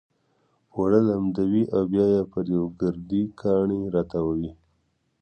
اوړه لمدوي او بيا يې پر يو ګردي کاڼي را تاووي.